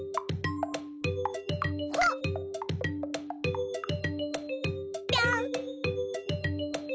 ほっぴょん。